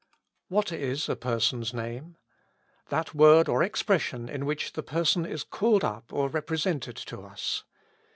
What is a person's name ? That word or expression in which the person is called up or represented to us.